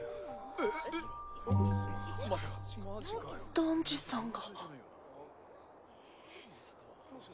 ダンジさんが。